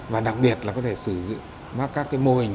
và đặc biệt là có thể sử dụng các mô hình